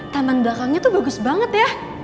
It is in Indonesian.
taman belakangnya tuh bagus banget ya